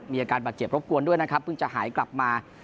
มีอาการบาดเจ็บรบกวนด้วยนะครับเพิ่งจะหายกลับมา